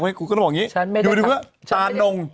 คุณก็ต้องบอกอย่างนี้หัวเดียวหนวันละว่าตานง